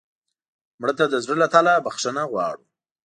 مړه ته د زړه له تله بښنه غواړو